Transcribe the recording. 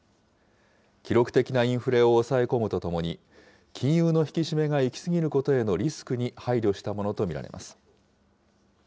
記録的なインフレを抑え込むとともに、金融の引き締めが行き過ぎることへのリスクに配慮したものと見られます。